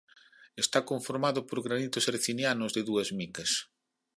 Está conformado por granitos hercinianos de dúas micas.